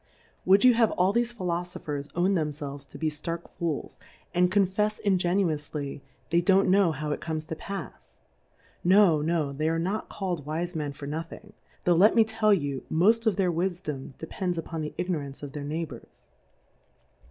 Would you have all thefe Phi lofophers own tnemfelves to be ftark Fools, and confefs ingenuoufly they don't know how it comes to pafs : No, no, they are not called Wijt^Men for nothing ; tho\ let me tell you, moft of their Wifdom depends upon the Igno rance of their Neighbours.